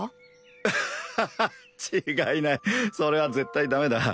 アハハ違いないそれは絶対ダメだ